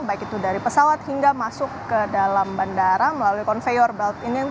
baik itu dari pesawat hingga masuk ke dalam bandara melalui konveyor belt ini